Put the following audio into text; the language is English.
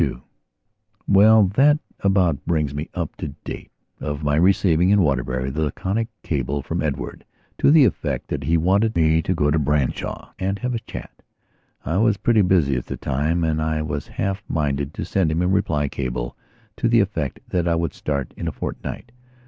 II WELL, that about brings me up to the date of my receiving, in Waterbury, the laconic cable from Edward to the effect that he wanted me to go to Branshaw and have a chat. I was pretty busy at the time and I was half minded to send him a reply cable to the effect that I would start in a fortnight.